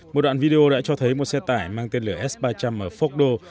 một đoạn video đã cho thấy một xe tải mang tên lửa s ba trăm linh ở pháp đô